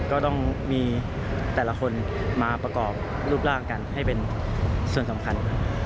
ก็ต้องมีแต่ละคนมาประกอบรูปร่างกันให้เป็นส่วนสำคัญ